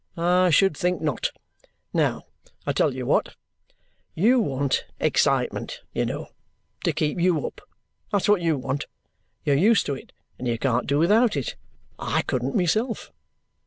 I should think not! Now I tell you what you want. You want excitement, you know, to keep YOU up; that's what YOU want. You're used to it, and you can't do without it. I couldn't myself.